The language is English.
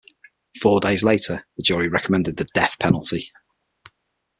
Four days later, the jury recommended the death penalty.